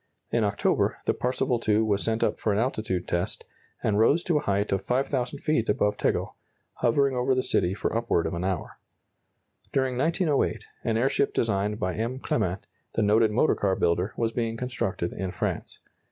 In October, the "Parseval II" was sent up for an altitude test, and rose to a height of 5,000 feet above Tegel, hovering over the city for upward of an hour. During 1908, an airship designed by M. Clement, the noted motor car builder, was being constructed in France.